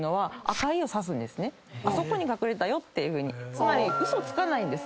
つまりウソつかないんです